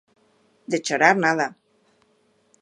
De chorar nada.